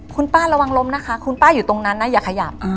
คุณป้าระวังลมนะคะคุณป้าอยู่ตรงนั้นนะอย่าขยับ